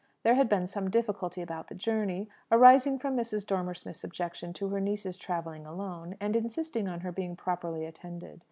There had been some difficulty about the journey, arising from Mrs. Dormer Smith's objection to her niece's travelling alone, and insisting on her being properly attended.